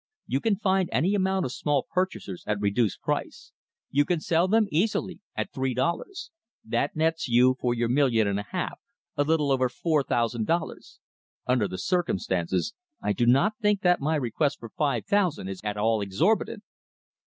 You can find any amount of small purchasers at reduced price. You can sell them easily at three dollars. That nets you for your million and a half a little over four thousand dollars more. Under the circumstances, I do not think that my request for five thousand is at all exorbitant."